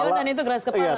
pak jonan itu keras kepala